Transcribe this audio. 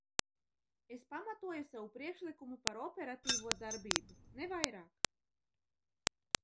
Es pamatoju savu priekšlikumu par operatīvo darbību, ne vairāk.